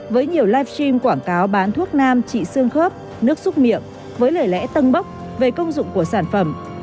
với nhiều live stream quảng cáo bán thuốc nam trị xương khớp nước xúc miệng với lời lẽ tân bốc về công dụng của sản phẩm